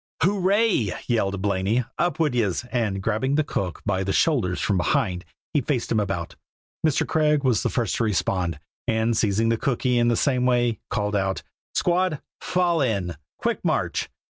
"Hooray!" yelled Blaney; "up wid yez!" and grabbing the cook by the shoulders from behind, he faced him about. Mr. Craig was the first to respond, and seizing the cookee in the same way, called out: "Squad, fall in! quick march!"